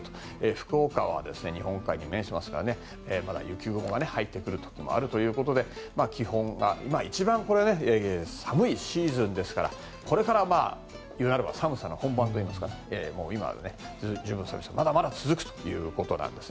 福岡は日本海に面していますからまだ雪雲が入ってくるところもあるということで今、一番寒いシーズンですからこれから気になる寒さの本番といいますかまだまだ続くということです。